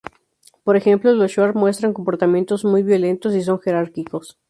Por ejemplo, los Shuar muestran comportamientos muy violentos y son jerárquicos.